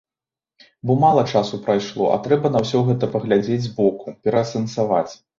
Бо мала часу прайшло, а трэба на ўсё гэта паглядзець з боку, пераасэнсаваць.